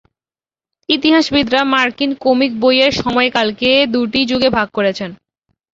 ইতিহাসবিদরা মার্কিন কমিক বইয়ের সময়কালকে দুটি যুগে ভাগ করেছেন।